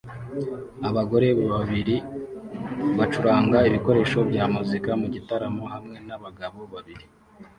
Abagore babiri bacuranga ibikoresho bya muzika mugitaramo hamwe nabagabo babiri